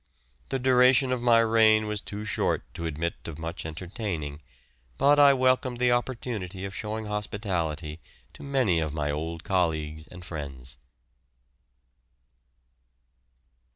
The duration of my reign was too short to admit of much entertaining, but I welcomed the opportunity of showing hospitality to many of my old colleagues and friends.